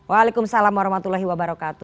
waalaikumsalam warahmatullahi wabarakatuh